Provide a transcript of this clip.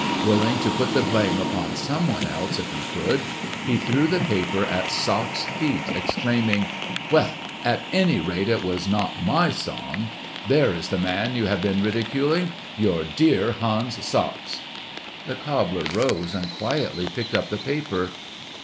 Willing to put the blame upon someone else if he could, he threw the paper at Sachs' feet exclaiming, "Well, at anyrate, it was not my song! There is the man you have been ridiculing—your dear Hans Sachs!" The cobbler arose and quietly picked up the paper.